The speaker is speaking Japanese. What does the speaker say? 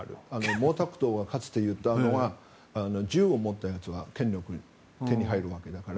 毛沢東がかつて言ったのが銃を持ったやつは権力が手に入るわけだから。